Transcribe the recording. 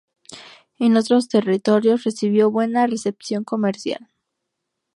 En otros territorios recibió buena recepción comercial.